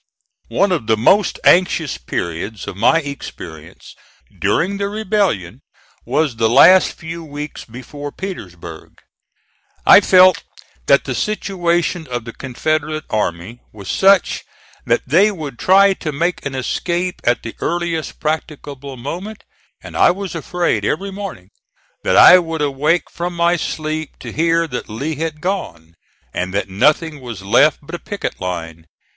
One of the most anxious periods of my experience during the rebellion was the last few weeks before Petersburg. I felt that the situation of the Confederate army was such that they would try to make an escape at the earliest practicable moment, and I was afraid, every morning, that I would awake from my sleep to hear that Lee had gone, and that nothing was left but a picket line.